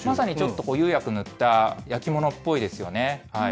まさに釉薬を塗った、焼き物っぽいですよね。